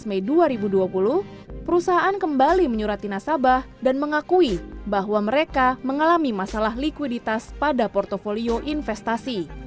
dua belas mei dua ribu dua puluh perusahaan kembali menyurati nasabah dan mengakui bahwa mereka mengalami masalah likuiditas pada portfolio investasi